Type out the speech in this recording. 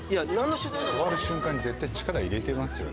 触る瞬間に絶対力入れてますよね